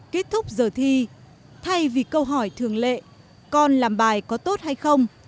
kết thúc giờ thi thay vì câu hỏi thường lệ con làm bài có tốt hay không